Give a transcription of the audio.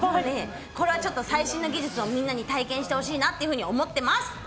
これはちょっと、最新の技術をみんなに体験してほしいなっていうふうに思ってます。